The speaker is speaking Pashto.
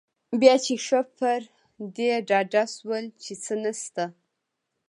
بیا چې ښه پر دې ډاډه شول چې څه نشته.